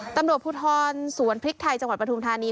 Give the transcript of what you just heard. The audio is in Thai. ตำรวจภูทรสวนพริกไทยจังหวัดปฐุมธานี